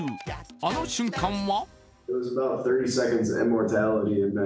あの瞬間は？